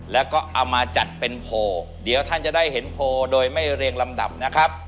แล้วก็เอามาจัดเป็นโพลเดี๋ยวท่านจะได้เห็นโพลโดยไม่เรียงลำดับนะครับ